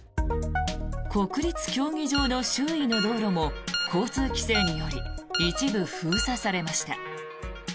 国立競技場の周囲の道路も交通規制により一部封鎖されました。